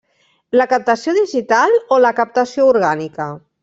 La captació digital o la captació orgànica?